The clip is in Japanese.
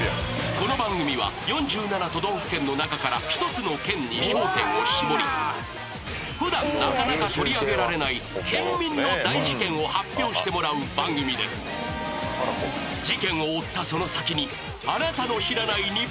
この番組は４７都道府県の中から１つの県に焦点を絞り普段なかなか取り上げられない県民の大事ケンを発表してもらう番組ですえ何何何？